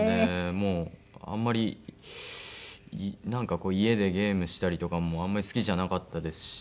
もうあんまりなんかこう家でゲームしたりとかもあんまり好きじゃなかったですし。